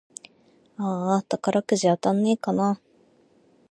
あーあ、宝くじ当たんねぇかな